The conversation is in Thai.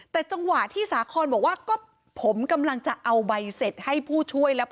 แต่จังหวะที่สาคอนบอกว่าก็ผมกำลังจะเอาใบเสร็จให้ผู้ช่วยแล้ว